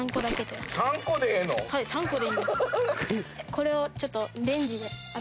これをちょっとレンジで温めて。